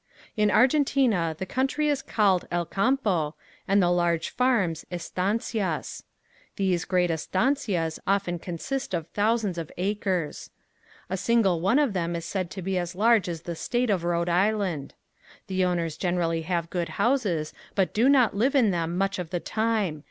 In Argentina the country is called "Elcampo" and the large farms "Estancias." These great estancias often consist of thousands of acres. A single one of them is said to be as large as the state of Rhode Island. The owners generally have good houses but do not live in them much of the time.